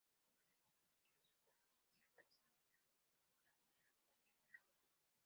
Ninguno de estos resultados hacían presagiar una buena actuación en Roma.